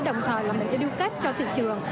đồng thời là mình sẽ lưu kết cho thị trường